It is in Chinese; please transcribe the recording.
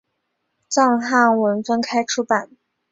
藏汉文分开出版。